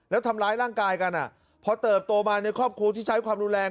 แล้วทำร้ายร่างกายกันพอเติบโตมาในครอบครัวที่ใช้ความรุนแรง